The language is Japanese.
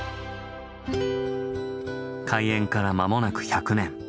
開園から間もなく１００年。